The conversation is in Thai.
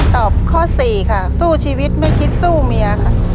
ตอบข้อสี่ค่ะสู้ชีวิตไม่คิดสู้เมียค่ะ